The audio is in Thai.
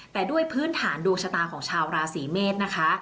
แต่ด้วยพื้นฐานดวงชะตาของชาวราศีเมษนะคะ